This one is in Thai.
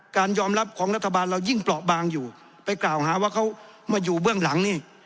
การยอมรับของรัฐบาลเรายิ่งเปราะบางอยู่ไปกล่าวหาว่าเขามาอยู่เบื้องหลังนี่